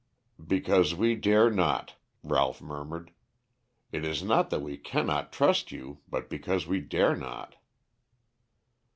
"Because we dare not," Ralph murmured. "It is not that we cannot trust you, but because we dare not."